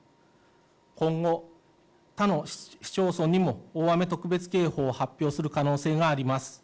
今後、他の市町村にも大雨特別警報を発表する可能性があります。